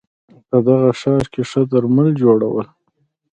په دغه ښار کې ښه درمل جوړول